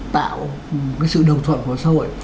tạo cái sự đồng thuận của xã hội